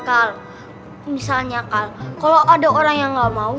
kal misalnya kal kalo ada orang yang gak mau